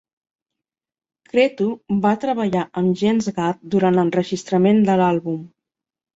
Cretu va treballar amb Jens Gad durant l'enregistrament de l'àlbum.